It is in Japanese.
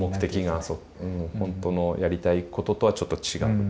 本当のやりたいこととはちょっと違う。